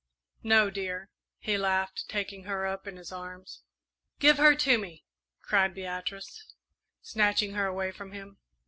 "No, dear," he laughed, taking her up in his arms. "Give her to me!" cried Beatrice, snatching her away from him.